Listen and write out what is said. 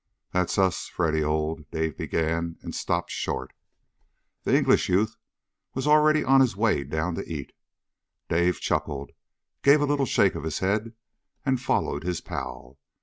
"That's us, Freddy, old " Dave began, and stopped short. The English youth was already on his way down to eat. Dave chuckled, gave a little shake of his head, and followed his pal.